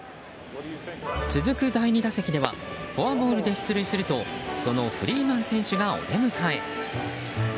続く第２打席ではフォアボールで出塁するとそのフリーマン選手がお出迎え。